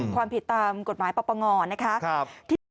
ความผิดตามกฎหมายปรับประงรนะครับ